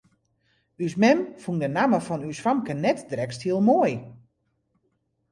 Us mem fûn de namme fan ús famke net drekst hiel moai.